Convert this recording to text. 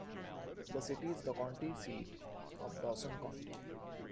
The city is the county seat of Dawson County.